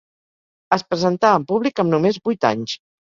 Es presentà en públic amb només vuit anys.